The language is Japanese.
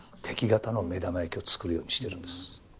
敵方の目玉焼きを作るようにしてるんです。